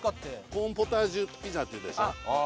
コーンポタージュピザって言ったでしょ。